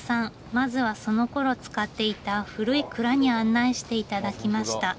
まずはそのころ使っていた古い蔵に案内して頂きました。